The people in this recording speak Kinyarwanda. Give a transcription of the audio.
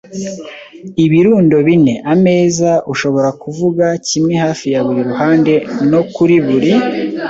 ibirundo bine - ameza, ushobora kuvuga - kimwe hafi ya buri ruhande, no kuri buri